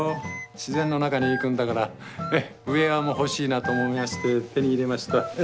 自然の中に行くんだからウエアも欲しいなと思いまして手に入れました。